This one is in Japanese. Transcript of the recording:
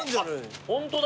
ホントだ。